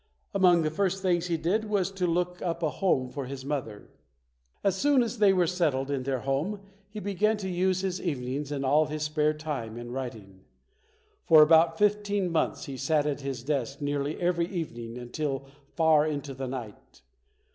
Among the first things he did was to look up a home for his mother. As soon as they were settled in their 56 ] UNSUNG HEROES home, he began to use his evenings and all of his spare time in writing. For about fifteen months, he sat at his desk nearly every evening until far into the night.